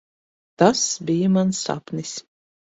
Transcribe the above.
Tas bija mans sapnis.